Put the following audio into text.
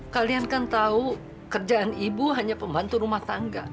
kalian kan tahu kerjaan ibu hanya pembantu rumah tangga